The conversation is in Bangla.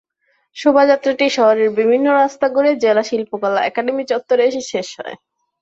শোভাযাত্রাটি শহরের বিভিন্ন রাস্তা ঘুরে জেলা শিল্পকলা একাডেমি চত্বরে এসে শেষ হয়।